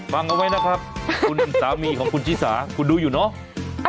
ฟังเอาไว้นะครับคุณสามีของคุณชิสาคุณดูอยู่เนาะ